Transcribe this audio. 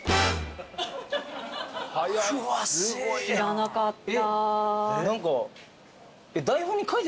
知らなかった。